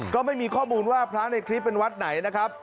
ก็ไม่มีข้อมูลว่าพระในคลิปเป็นวัดไหนนะครับ